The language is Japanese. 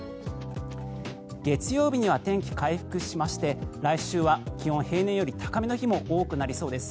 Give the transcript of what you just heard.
月曜日には天気回復しまして来週は気温、平年より高めの日も多くなりそうです。